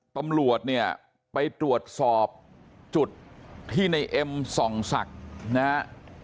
ตำรวจเนี่ยไปตรวจสอบจุดที่ในเอ็มส่องศักดิ์นะฮะ